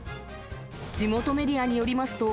地元メディアによりますと、